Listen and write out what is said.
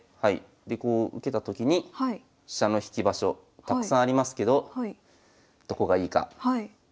でこう受けたときに飛車の引き場所たくさんありますけどどこがいいか。